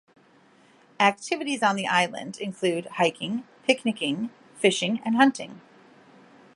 Activities on the island include hiking, picnicking, fishing, and hunting.